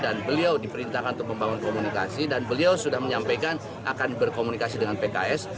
dan beliau diperintahkan untuk membangun komunikasi dan beliau sudah menyampaikan akan berkomunikasi dengan pks